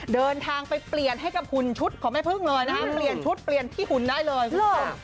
เดินทางไปเปลี่ยนให้กับหุ่นชุดของแม่พึ่งเลยนะคะเปลี่ยนชุดเปลี่ยนที่หุ่นได้เลยคุณผู้ชม